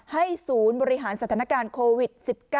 ศูนย์บริหารสถานการณ์โควิด๑๙